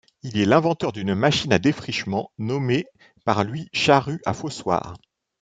Il est l'inventeur d'une machine à défrichement, nommée par lui charrue à fossoirs.